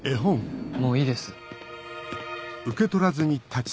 もういいです。